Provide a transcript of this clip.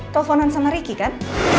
teleponan sama riki kan